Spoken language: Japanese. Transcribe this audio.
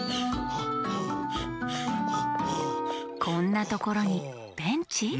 こんなところにベンチ？